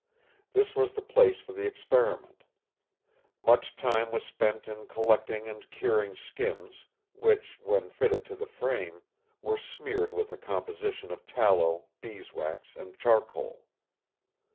This was the place for the experiment. Much time was spent in collecting and curing skins, which, when fitted to the frame, were smeared with a composition of tallow, beeswax, and charcoal.